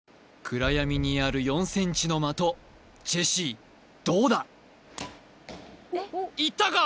暗闇にある４ｃｍの的ジェシーどうだいったか？